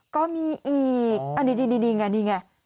ก็มีอีกนี่ไง